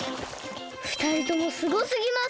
ふたりともすごすぎます！